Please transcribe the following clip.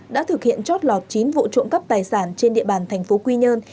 đã thực hiện chót lọt chín vụ trộm cắp tài sản trên địa bàn thành phố quy nhơn